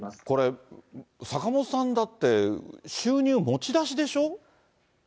これ、坂本さんだって、収入、持ち出しでしょ？